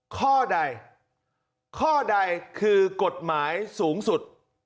ข้อใดข้อใดคือกฎหมายสูงสุด